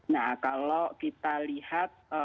nah kalau kita lihat